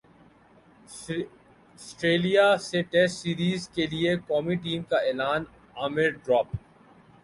سٹریلیا سے test series کیلئے قومی ٹیم کا اعلان عامر ڈراپ